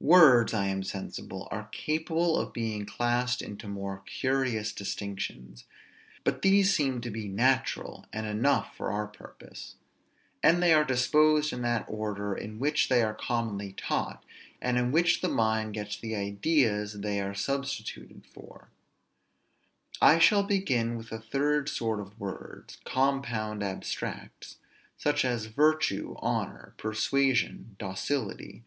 Words, I am sensible, are capable of being classed into more curious distinctions; but these seem to be natural, and enough for our purpose; and they are disposed in that order in which they are commonly taught, and in which the mind gets the ideas they are substituted for. I shall begin with the third sort of words; compound abstracts, such as virtue, honor, persuasion, docility.